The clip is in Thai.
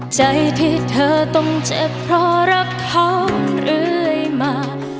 ใจที่เธอต้องเจ็บเพราะรักเขาเรื่อยมา